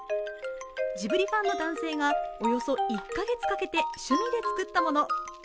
ジブリファンの男性がおよそ１カ月かけて趣味で作ったもの。